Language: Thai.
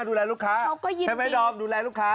ใช่ไหมดอมดูแลลูกค้า